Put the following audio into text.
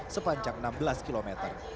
sepanjang enam belas km